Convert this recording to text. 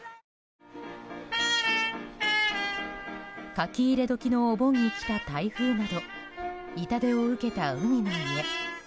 書き入れ時のお盆に来た台風など痛手を受けた海の家。